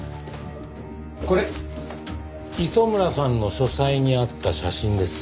これ磯村さんの書斎にあった写真です。